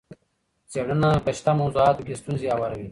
څېړنه په شته موضوعګانو کي ستونزي هواروي.